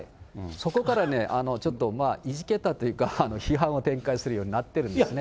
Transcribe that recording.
そこからちょっといじけたというか、批判を展開するようになってるんですね。